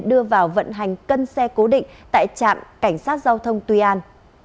đưa vào vận hành cân xe cố định tại trạm cảnh sát giao thông tuy an